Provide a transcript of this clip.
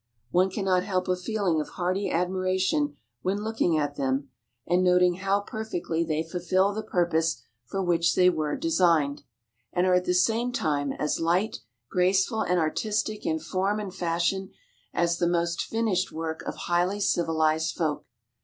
One cannot help a feeling of hearty admiration when looking at them, and noting how perfectly they fulfil the purpose for which they were designed, and are at the same time as light, graceful, and artistic in form and fashion as the most finished work of highly civilized folk.